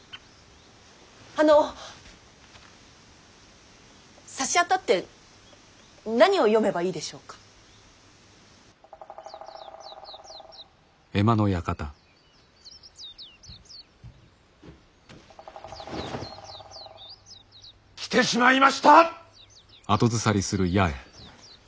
あのさしあたって何を読めばいいでしょうか。来てしまいました！